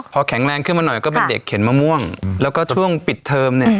พอแข็งแรงขึ้นมาหน่อยก็เป็นเด็กเข็นมะม่วงแล้วก็ช่วงปิดเทอมเนี่ย